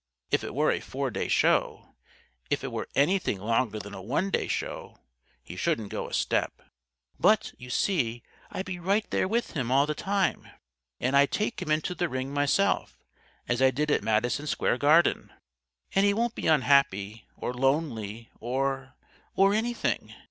If it were a four day show if it were anything longer than a one day show he shouldn't go a step. But, you see, I'd be right there with him all the time. And I'd take him into the ring myself, as I did at Madison Square Garden. And he won't be unhappy or lonely or or anything.